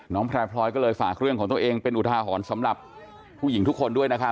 แพร่พลอยก็เลยฝากเรื่องของตัวเองเป็นอุทาหรณ์สำหรับผู้หญิงทุกคนด้วยนะครับ